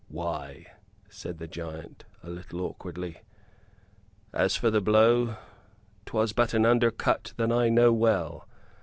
"Why," said the giant, a little awkwardly, "as for the blow, 'twas but an under cut that I know well.